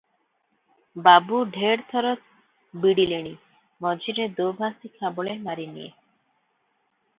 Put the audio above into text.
ବାବୁ ଢେର ଥର ବିଡ଼ିଲେଣି ମଝିରେ ଦୋଭାଷୀ ଖାବଳେ ମାରିନିଏ ।